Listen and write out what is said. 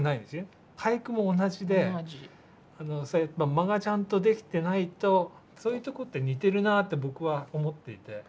間がちゃんとできてないとそういうとこって似てるなって僕は思っていて。